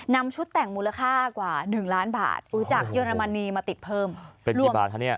นำชุดแต่งมูลค่ากว่าหนึ่งล้านบาทอู๋จากเยอรมนีมาติดเพิ่มเป็นกี่บาทคะเนี่ย